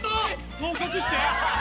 顔隠して